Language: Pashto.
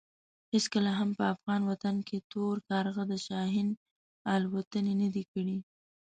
هېڅکله هم په افغان وطن کې تور کارغه د شاهین الوتنې نه دي کړې.